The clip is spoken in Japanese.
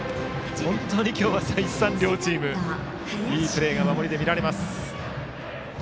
本当に今日は再三両チーム、いいプレーが守りで見られます。